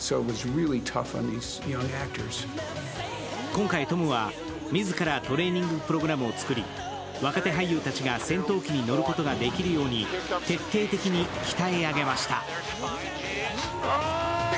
今回、トムは自らトレーニングプログラムを作り、若手俳優たちが戦闘機に乗ることができるように徹底的に鍛え上げました。